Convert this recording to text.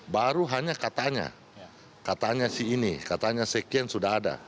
baru hanya katanya katanya si ini katanya sekian sudah ada